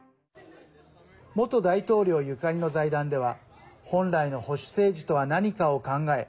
元大統領ゆかりの財団では本来の保守政治とは何かを考え